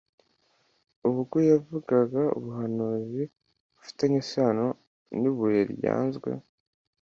Ubwo yavugaga ubuhanuzi bufitanye isano n’ibuye ryanzwe.